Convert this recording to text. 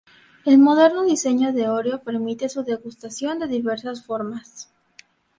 El moderno diseño de Oreo permite su degustación de diversas formas.